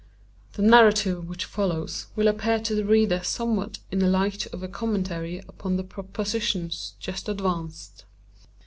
The narrative which follows will appear to the reader somewhat in the light of a commentary upon the propositions just advanced.